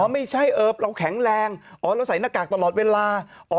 ไม่ใช่เราแข็งแรงอ๋อเราใส่หน้ากากตลอดเวลา